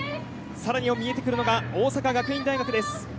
さらに見えてくるのは大阪学院大学です。